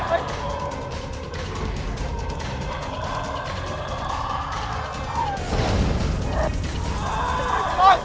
ไม่รู้หรอก